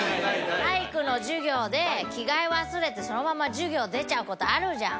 体育の授業で着替え忘れてそのまんま授業出ちゃうことあるじゃん。